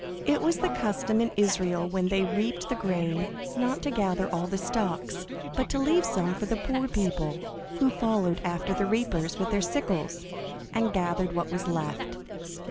It was the custom in Israel when they reaped the grain not to gather all the stalks, but to leave some for the poor people, who followed after the reapers with their sickles, and gathered what was left.